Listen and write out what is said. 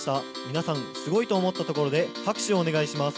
皆さんすごいと思ったところで拍手をお願いします。